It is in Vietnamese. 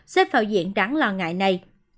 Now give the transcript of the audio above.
xếp vào diện đáng lo ngại này